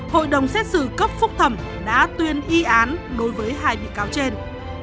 hội đồng xét xử cấp phúc thẩm đã tuyên y án đối với hai bị cáo trên